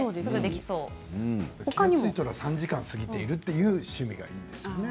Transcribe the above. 気が付いたら３時間過ぎているという趣味がいいですよね。